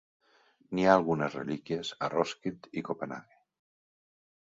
N'hi ha algunes relíquies a Roskilde i Copenhaguen.